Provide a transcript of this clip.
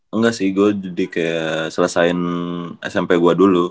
enggak sih gue jadi kayak selesaiin smp gue dulu